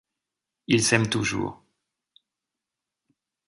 Ils s'aiment toujours.